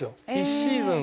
１シーズン